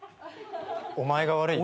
お前が悪い。